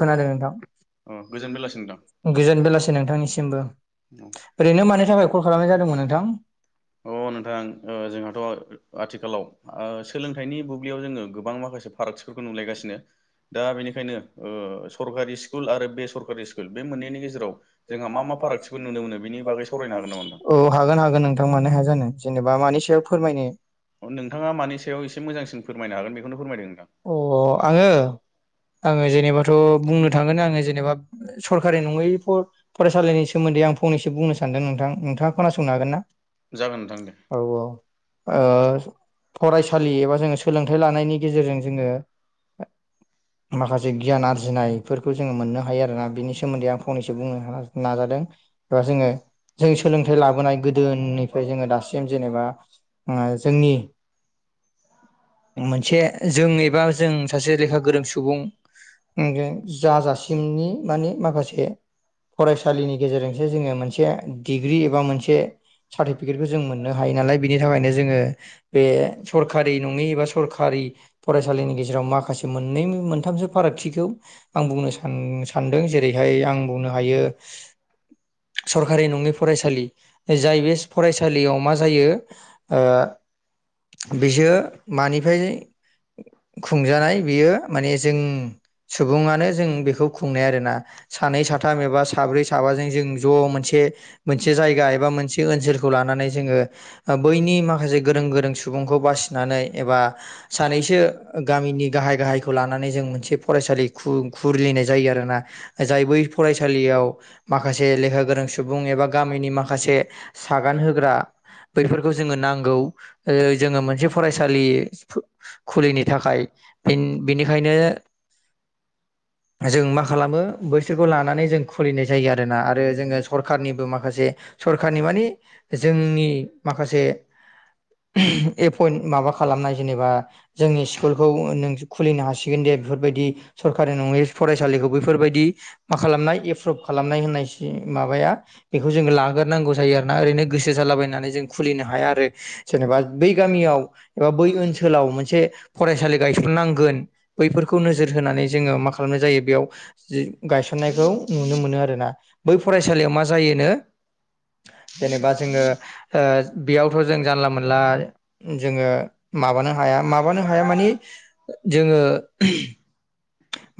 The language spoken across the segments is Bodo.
खोनादों नोंथां गोजोन बेलासि नोंथांनिसिमबो। ओरैनो मानि थाखाय कल खालामनाय जादोंमोन नोंथां। अ नोंथां ओ जोंहाथ' आथिखाल आथिखालाव सोलोंथाइनि बुब्लियाव जोङो गोबां माखासे फारागथिफोरखौ नुलायगासिनो दा बेनिखाय बेखायनो सरकारि स्कुल आरो बे सरकारि स्कुल बे मोननैनि गेजेराव जोंहा मा मा फारागथिखौ नुनो मोनो? औ हागोन हागोन नोंथां मानो हाया जानो जेनेबा मानि सायाव फोरमायनो नोंथाङा मानि सायाव एसे मोजांसिन फोरमायनो हागोन बेखौनो फोरमायदों। अ आङो आङो जेनेबाथ' बुंनो थांगोन आङो जेनेबा सरकारि नङै फ-फरायसालिनि सोमोन्दै आं फंनैसो बुंनो सानदों नोंथां नोंथाङा खोनासंनो हागोन ना? जागोन नोंथां दे। ओ फरायसालि एबा जोङो सोलोंथाइ लानायनि गेजेरजों जोङो [inaudible] माखासे गियान आरजिनायफोरखौ जोङो मोननो हायो आरोना बिनि सोमोन्दै आं फंनैसो बुंनो नाजादों। एबा जोङो जों सोलोंथाइ लाबोनाय गोदोनिफ्राय जोङो दासिम जेनेबा जोंनि मोनसे जों एबा जों सासे लेखा गोरों सुबुं जाजासिमनि माने माखासे फरायसालिनि गेजेरजोंसो जोङो मोनसे डिग्रि एबा मोनसे सारटिफिकेटखौ जों मोननो हायो नालाय बिनि थाखायनो जोङो बे सरखारि नङि एबा सरखारि फरायसालिनि गेजेराव माखासे मोननै मोनथाम फारागथिखौ आं बुंनो सान सानदों जेरैहाय आं बुंनो हायो सरकारि नङै फरायसालि जाय बे फरायसालियाव मा जायो ओ बिसोर मानिफ्राय खुंजानाय बियो माने जों सुबुङानो जों बेखौ खुंनाय आरोना सानै साथाम एबा साब्रै साबाजों जों ज' मोनसे मोनसे जायगा एबा मोनसे ओनसोलखौ लानानै जोङो बैनि माखासे गोरों गोरों सुबुं खौ बासिनानै एबा सानैसो गामिनि गाहाय गाहायखौ लाना नै जों मोनसे फरायसालि खु-खुरुलिनाय जायो आरोना जाय बै फरायसालियाव माखासे माखासे लेखा गोरों सुबुं एबा गामिनि माखासे सागान होग्रा बैफोरखौ जोङो नांगौ जोङो मोनसे फरायसालि खुलिनो थाखाय बि-बिनिखायनो जों मा खालामो बैसोरखौ लानानै जों खुलिनाय जायो आरोना आरो जोङो सरखारनिबो माखासे सरखारनि माने जोंनि माखासे एपइन्ट माबा खालामनाय जेनेबा जोंनि स्कुलखौ नों खुलिनो हासिगोन दे बेफोरबायदि सरकारि नङै फरायसालिखौ बैफोरबायदि मा खालामनाय एप्रुभ खालामनाय होननाय माबाया बेखौ जोङो लाग्रो नांगौ जायो आरोना ओरैनो गोसो जालाबायनानै जों खुलिनो हाया आरो जेनेबा बै गामियाव एबा बै ओनसोलाव मोनसे फरायसालि गायसननांगोन बैफोरखौ नोजोर होनानै जोङो मा खालाम जायो बेयाव गायसननायखौ नुनो मोनो आरोना बै फरायसालिया मा जायोनो जेनेबा जोङो ओ बेयावथ' जों जानला मानला जोङो माबानो हाया माबानो हाया मानि जोङो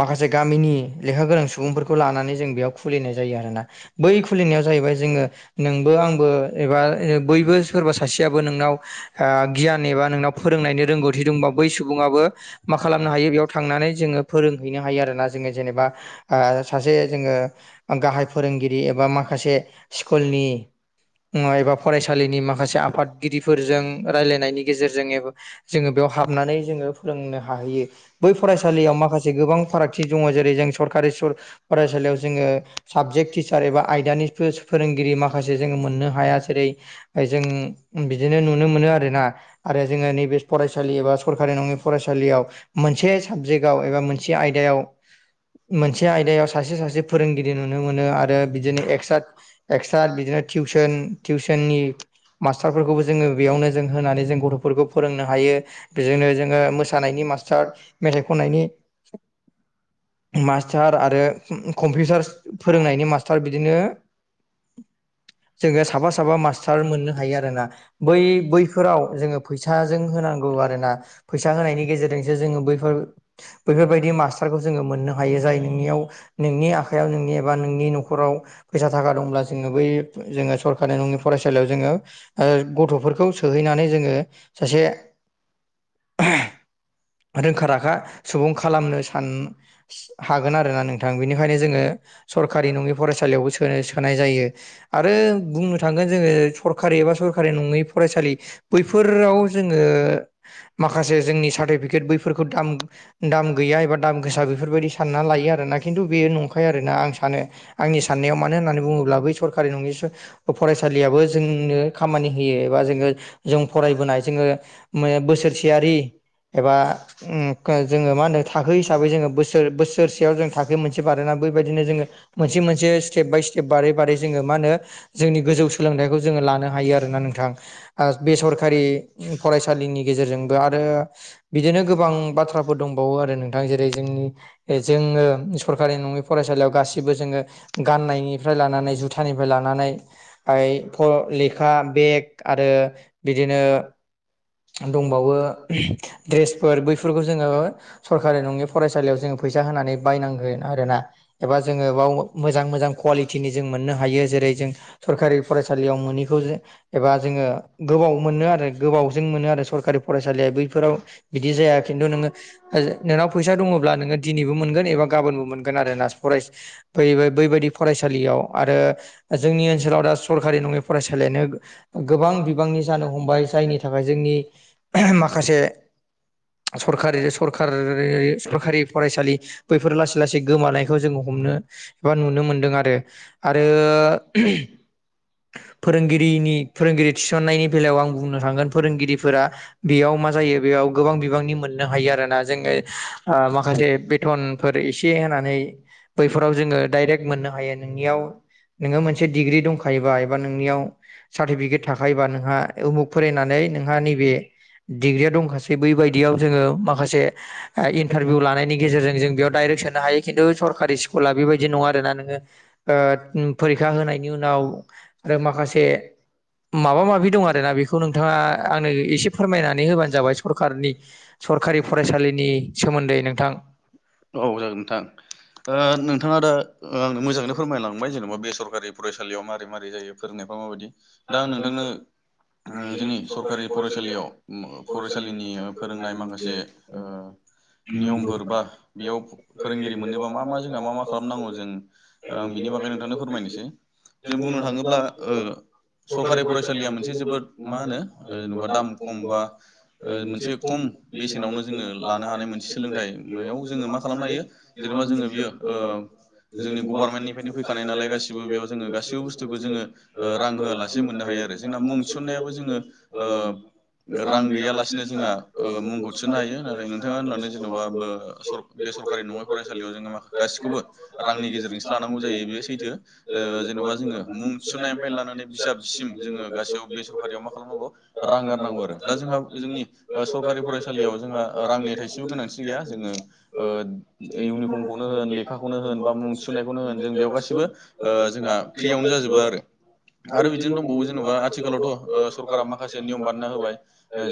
माखासे गामिनि लेखा गोरों सुबुंफोरखौ लानानै जों बेयाव खुलिनाय जायो आरोना बै खुलिनायाव जों जाहैबाय जोङो नोंबो आंबो एबा बयबो सोरबा सासेयाबो नोंनाव आ गियान एबा नोंनाव फोरोंनायनि रोंगौथि दंबा बै सुबुङाबो मा खालामनो हायो बेयाव थांनानै जोङो फो रोंहैनो हायो आरोना जोङो जेनेबा ओ सासे जोङो गाहाय फोरोंगिरि एबा माखासे स्कुलनि एबा फरायसालिनि माखासे आफादगिरिफोरजों रायलायनायनि गेजेरजों जोङो बेयाव हाबनानै जोङो फोरोंनो हाहैयो बै फरायसालियाव माखासे गोबां फारागथि दङ जेरै जों सरकारि फरायसालियाव जोङो साबजेक्ट टिचार एबा आयदानि फोरोंगिरि माखासे जों मोननो हाया जेरै जों बिदिनो नुनो मोनो आरोना। आरो जोङो नैबे फरायसालि एबा सरकारि नङि फरायसालियाव मोनसे साबजेक्टआव एबा मोनसे मोनसे आयदायाव मोनसे आयदायाव सासे सासे फोरोंगिरि नुनो मोनो आरो बिदिनो एक्सट्रा एक्सट्रा बिदिनो टिउसोन टिउसोननि मास्टारफोरखौबो जोङो बेयावनो जों होनानै जों गथफोरखौ फोरोंनो हायो बेजोंनो जोङो मोसानायनि मास्टार मेथाइ खननायनि [inaudible] मास्टार आरो कम्पिउटार फोरोंनायनि मास्टार बिदिनो [inaudible] जोङो साफा साबा मास्टार मोननो हायो आरोना बै बैफोराव जोङो फैसाजों होनांग नांगौ आरोना फैसा होनायनि गेजेरजों सो जोङो बैफोर बेफोरबायदि मास्टारखौ जोङो मोननो हायो जाय नोंनियाव नोंनि आखायाव नोंनि एबा नोंनि नखराव फैसा थाखा दंब्ला जों बै जोङो सकारि नङि फरायसालियाव जोङो ओ गथफोरखौ सोहैनानै जोङो सासे [unintelligible] रोंखा राखा सुबुं खालामनो सान हागोन आरोना नोंथां बेनिखायनो जोङो सरकारि नङि फरायसालियावबो सोन सोनाय जायो आरो बुंनो थांगोन जोङो सरकारि एबा सरखारि नङै फरायसालि बैफोराव जोङो माखासे जोंनि सार्टिफिक केट बैफोरखौ दाम दाम गैया एबा दाम गोसा बेफोरबायदि सानना लायो आरोना खिन्थु बेयो नंखाय आरोना आं सानो आंनि साननायाव मानो होननानै बुङोब्ला बै सर सरखारि नङि फरायसालियाबो जोंनो खामानि होयो एबा जोङो जों फरायबोनाय जोङो मो बोसोरसेयारि एबा ओम जोङो मा होनदों थाखो हिसाबै जोङो बोसोर बोसोरसेयाव जों थाखो मोनसे बारोना बै दिनै जोङो मोनसे मोनसे मोनसे स्टेप बाय स्टेब बारै बारै जोङो [unintelligible] जोंनि गोजौ सोलोंथाइखौ जोङो लानो हायो आरोना नोंथां आ बे सरकारि फराय फरायसालिनि गेजेरजोंबो आरो बिदिनो गोबां बाथ्राफोर दंबावो आरो नोंथां जेरै जोंनि जोङो सरखारि नङै फरायसा गासैबो जोङो गाननायनिफ्राय लानानै जुथानिफ्रा लानानै फाय फ लेखा बेग आरो बिदिनो दंबावो द्रेसफोर बैफोरखौ जोङो सरखारि नङै फरायसालियाव जोङो फैसा होनानै बायनांगोन आरो ना एबा जोङो बाव मोजां मोजां कवालिटिनि जों जेरै जों सरकारि फरायसालियाव मोनिखौ एबा जोङो गोबाव मोनो आरो गोबाव जों मोनो आरो सरकारि फरायसालि बैफोराव बिदि जाया खिन्थु नोङो नोंनाव फैसा दङब्ला नोङो दिनैबो मोनगोन एबा गाबोनबो मोनगोन आरो नास फरायस बैबा बैबायदि फरायसालियाव आ आरो जोंनि ओनसोलाव दा सरकारि नङै फरायसालियानो गोबां बिबांनि जानो हमबाय जायनि थाखाय जोंनि [unintelligible] माखासे सरकारि सरक सरखारि फरायसालि बैफोर लासै लासै गोमानायखौ जोङो हम नुनो एबा नुनो मोन्दों आरो आरो [unintelligible] फोरोंगिरिनि फोरोंगिरि थिसन्नायनि बेलायाव आं बुंनो थांगोन फोरों फोरोंगिरिफोरा बेयाव मा जायो बेयाव गोबां बिबांनि मोननो हायो आरोना जोङो आ माखासे बेथनफोर इसे होनानै बैफोराव जोङो डाइरेक्ट मोननो हायो नोंनियाव नोङो मोनसे डिग्रि दंखायोबा एबा नोंनियाव सार्टिफिकेट थाखायोबा नोंहा उमुख फरायनानै नोंहा नैबे डिग्रिया दंखासै बैबायायदियाव जोङो माखासे ओ इन्टारभिउ लानायनि गेजेरजों जों बेयाव डाइरेक्ट सोनो हायो खिन्थु सरखारि स्कुला बिबायदि नङा आरो ना नोङो ओ फरिखा होनायनि उनाव आरो माखासे माबा माबि दं आरोना बेखौ नोंथाङा आंनो एसे फोरमायनानै होबानो जाबाय सरखारनि सरखारि फरायसालिनि सोमोन्दै नोंथां औ जागोन नोंथां ओ नोंथाङा दा आ मोजां थांबाय जेनेबा बेसरकारि फरायसालियाव मारै मारैजायो फोरोंनायफ्राव माबायदि दां नोंथांनो उमजोंनि सरखारि फरायसालियाव फरायसालिनि फोरोंनाय माखासे ओ नियमफोर बा बेयाव फोरोंगिरि मोननोबा मा मा जोंहा मा मा खालामनांगौ जों आं बिनि बागै नोंथांनो फोरमायनोसै जों बुंनो थाङोब्ला ओ सरकारि फरायसालिया मोनसे जोबोद मा होनो जेनेबा दाम खम बा मोनसे खम बेसेनावनो जोङो लानो हानाय मोनसे सोलोंथाइ बेयाव जोङो मा खालामनो हायो जेनेबा जोङो बियो ओ [unintelligible] गभार्नमेन्टनिफ्रायनो फैखानाय नालाय गासिबो बेयाव जोङो गासैबो बस्थुखौ जोङो ओ रां होआलासे जों मोननो हायो आरो जोंना मुं थिसननायाबो जोङो ओ रां गैयालासिनो जोंहा ओ मुंखौ थिसननो हायो आरो नोंथाङा होननानै जेनेबा सरकारि नङै फरायसालियाव जोङो मा गासिखौबो रांनि गेजेरजों जानांगौ जायो बेयो सैथो ओ जेनबा जोङो मुं थिसनायनिफ्राय लानानै बिजाबसिम जोङो गासैयाव बे सरकारियाव मा खालामनांगौ रां गारनांगौ आरो दा जोंहा जोंनि स सरखारि फरायसालियाव जोंहा रांनि थाइसेबो गोनांथि गैया जो ओ इउनिभर्मखौनो होन ले खाखौनो होन बा मुं थिनायखौनो होन जों बेयाव गासैबो ओ जोंहा फ्रियावनो जाजोबो आरो आरो बिदिनो दंबावो जेनेबा आथिखालावथ' ओ सरकारा माखासे नियम बानायना होबाय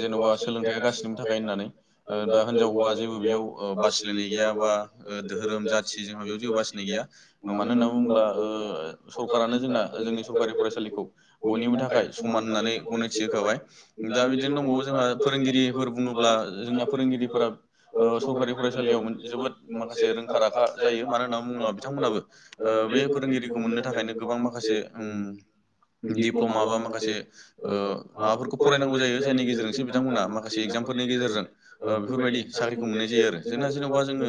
जेनबा सोलोंथाइया गासिबनिबो थाखाय होननानै ओ दा हिनजाव हौवा जेबो बेयाव ओ बासिलायनाय गैया बा दोहोरोम जाथ जाथि जोंहा बेयाव जेबो बासिनाय गैया मानो होनना बुङोब्ला ओ सरखारानो जोंना जोंनि सरखारनि फरायसालिखौ बयनिबो थाखाय समान होननानै गनायथि होखाबाय दा बिदिनो दंबावो जोंहा फोरोंगि रिफोर बुङोब्ला जोंना फोरोंगिरिफोरा ओ सरकारि फरायसालियाव जोबोद माखासे रोंखा रा खा जायो मानो होनना बुङोबा बिथांमोनहाबो ओ बे फोरोंगिरिखौ मोननो थाखायनो गोबां माखासे ओम दिप्लमा बा माखासे ओ माबाफोरखौ फरायनांगौ जायो जायनि गेजेरजोंसो बिथांमोना माखासे इगजाम फोरनि गेजेरजों ओ बेफोरबायदि साख्रिखौ मोननाय जायो आरो जोंना जेनेबा जोङो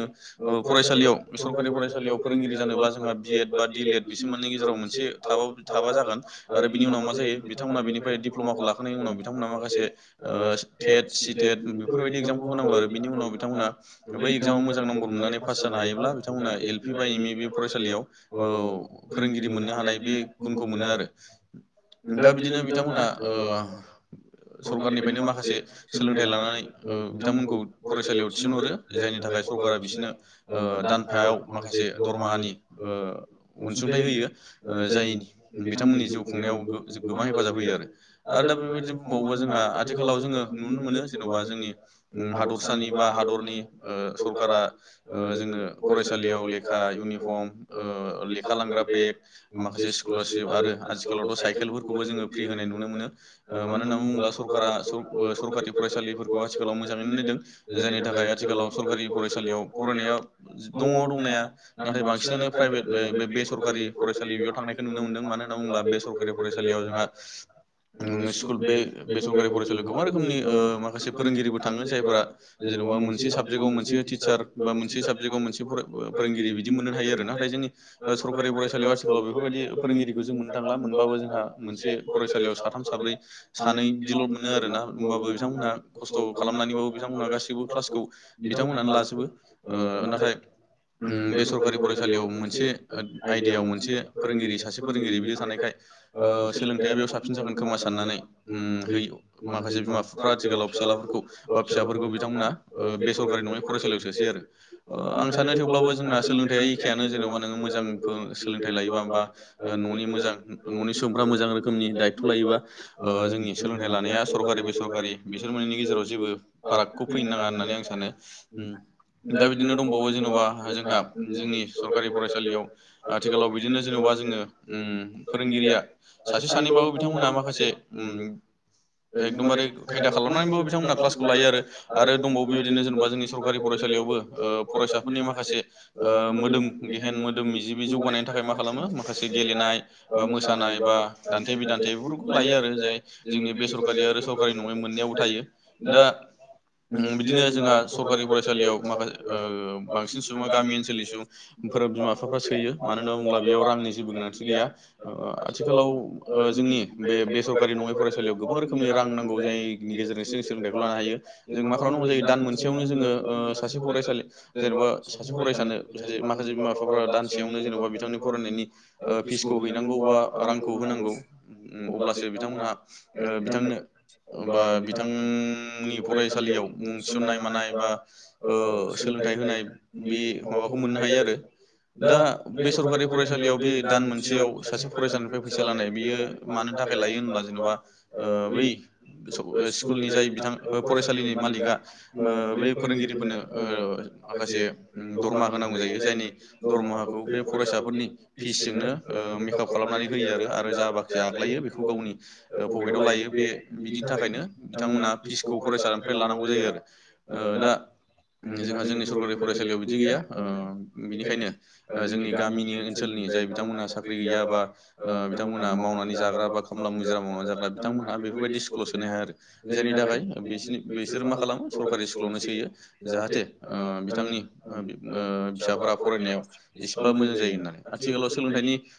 ओ फरायसालियाव स सरखारि फरायसालियाव फोरोंगिरि जानोबा जोंहा बि एड बा डि ले एड बिसोर मोननैनि गेजेराव मोनसे थाबाबो थाबा जागोन आरो बिनि उनाव मा जायो बिथांमोना बेनिफ्राय दिप्ल'माखौ लाखांनायनि उनाव बिथांमोना माखासे ओ टेट सि टेट बेफोरबायदि एगजामखौ होनांगौ आरो बिनि उनाव बिथांमोनहा बै एगजामाव मोजां नाम्बर मोननानै पास जा नो हायोब्ला बिथांमोना एल पि बा एम इ बे फरायसालियाव ओ फोरोंगिरि मोननो हानाय बे गुनखौ मोनो आरो दा बिदिनो बिथांमोना ओ सरकारनिफ्रायनो माखासे सोलोंथाइ लानानै ओ बिथांमोनखौ फरायसालियाव थिसनहरो जायनि था खाय सरकारा बिसोरनो ओ दानफायाव माखासे दरमाहानि ओ अनसुंथाइ होयो ओ जाय बिथांमोननि जिउ खुंनाय याव गो जो गोबां हेफाजाब होयो आरो दा बेबायदिबो बावोबा जोंहा आथिखालाव जोङो नुनो मोनो जेनेबा जोंनि ओम हादरसानि बा हादरनि ओ सरका ओ जोंनो फरायसा सालियाव लेखा इउनिफर्म ओ लेखा लांग्रा बेग माखासे स्कलारशिप आरो आजि खालावथ' साइकेलफोरखौबो जोङो फ्रि होनाय नुनो मोनो ओ मानो होनना बुंब्ला सरकारा सर ओ सरकारि फरायसालिफोरखौ आथिखालाव मोजाङैनो नायदों जायनि थाखाय आथिखालाव सरकारि फरायसालियाव फरायनाया [unintelligible] दङ दंनाया नाथाय बांसिनानो प्राइभेट बे बे-बेसरकारि फरायसालि बेयाव थांनायखौ नुनो मोनदों मानो होनना बुं बा बे सरकारि फरायसालियाव जोंहा [unintelligible] बे बे सरकारि फरायसालियाव गोबां रोखोमनि ओ माखासे फोरोंगिरिबो थाङो जायफोरा जेन'बा मोनसे साबजेक्टआव मोनसे टिचार बा मोनसे साबजेक्टआव मोनसे [unintelligible] फोरोंगिरि बिदि मोननो हायो आरो नाथाय जोंनि ओ सरकारि फरायसालियाव आथिखालाव बेफोरबायदि फोरोंगिरिखौ जों मोननो थां ला मोनबाबो जोंहा मोनसे फरायसालियाव साथाम साब्रै सानै बिदिल' मोनो आरो ना होमबाबो बिथांमोनहा खस्थ' खालामनानैबाबो बिथांमोनहा गासैबो क्लासखौ बिथांमोनहानो लाजोबो ओ नाथाय ओम बे सरकारि फरायसालियाव मोनसे ओद आयदायाव मोनसे फोरोंगिरि सासे फोरोंगिरि बिदि थानाय खाय ओ सोलोंथाइया बेयाव साबसिन जागोन खोमा साननानै ओम है माखासे बिमा बिफाफ्रा आथिखालाव फिसालाफोरखौ बा फिसाफोरखौ बिथांमोना ओ बेसरकारि [unintelligible] फरायसालियाव सोसै आरो ओ आं सा सानो थेवब्लाबो जोंना सोलोंथाइ एखेयानो जेनेबा नोङो मोजां खौ सोलोंथाइ लायोबा बा ओ न'नि मोजां न'नि सुबुंफ्रा मोजां रोखोमनि दायथ' लायोबा ओ जोंनि सोलोंथाइ लानाया सरकारि बेसरकारि बिसोर मोननि गेजेराव जेबो फारागखौ फैनो नाङा होननानै आं सानो। नो ओम। ग जलथ ब [inaudible] जोंहा जोंनि सरकारि फरायसालियाव आथिखालाव बिदिनो ज मनो फोरोंगिरिया सानैबाबो नोंथांमोना माखासे एकदमबारे खायदा खालामनानैबाबो बिथांमोनहा क्लासखौ लायो आरो आरो दंबावो बेबायदिनो जेनेबा जोंनि सरकारि फराय सालियावबो ओ फरायसा फोरनि माखासे ओ मोदोम गेहेन मोदोम जिबि जौगानायनि थाखाय मा खालामो माखासे गेलेनाय बा मोसानाय बा दान्थे बिदान्थे बेफोरखौ लायो आरो। जाय जोंनि बेसरकारि आरो सरकारि नङै मोननैआवबो थायो दा बिदिनो जोङा सरकारि फरायसालियाव माखासे ओ बांसिन सुबुङा गामि ओनसोलनि सुबुंफोर बिमा बिफाफ्रा सोयो मानो होना बुंङोब्ला बेयाव रांनि जेबो गोनांथि गैया। ओ ओ आथिखालाव जोंनि बे बेसर सरकारि नङै फरायसालियाव गोबां रोखोमनि रां नांगौ जाय गेजेरजोंसो सोलोंथाइखौ लानो हायो जों मा खालामनांगौ जायो दान मोनसे खाथियावनो जोङो सासे फरायसालि जेनबा सासे फरायसानो सासे माखासे बिमा बिफ्रा दानसेयावनो जेनबा बिथांनि फरायनायनि ओ फिसखौ बिनांगौबा रांखौ होनांगौ उम अब्लासो बिथांमोनहा बिथांनो बा बिथांनि फरायसालियाव मुं थिसननाय मानाय बा ओ सोलोंथाइ होनाय बे माबाखौ मोननो हायो आरो। दा बे सरकारि फरायसालियाव बे दान मोनसेयाव सासे फरायसनिफ्राय फैसा लानाय बियो मानो थाखाय लायो होनब्ला जेनबा ओ बै स्क स्कुलनि जाय बिथां फरायसालिनि मालिकआ ओ बे फोरोंगिरिफोरनो ओ माखासे दरमाहा होनांगौ जायो जायनि दरमाहाखौ बे फरायसाफोरनि फिसजोंनो ओ ओ मेकाप खालामनानै होयो आरो जा बाखि आग्लायो बेखौ गावनि ओ पकेटाव लायो बे बिदिनो थाखायनो बिथांमोना फिसखौ फरायसानिफ्राय लानांगौ जायो आरो ओ गोदा [inaudible] गरिब‌ गरिब जायगायाव बिदि गैया ओ बेनिखायनो ओ जोंनि गामिनि ओनसोलनि जाय बिथांमोना साख्रि गैयाबा ओ नोंथांमोना मावनानै जाबा बा [unintelligible] मानि थाखाय बिथांमोनहा बेफोरबायदि स्कुलाव सोनो हाया जेरै थाखाय बेसोर बैसोर मा खालामो सरकारि स्कुलाव सोयो जाहाथे ओ गामि ओ जाब्रा फरायनायाव इसिबां मोजां जायो आथिखालाव सोलोंथाइनि